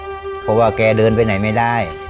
เพราะว่าแกเดินไปไหนไม่ได้